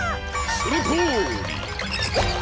そのとおり！